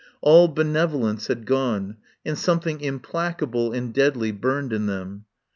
All be nevolence had gone, and something implaca ble and deadly burned in them.